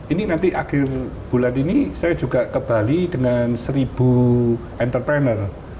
ini nanti akhir bulan ini saya juga ke bali dengan seribu entrepreneur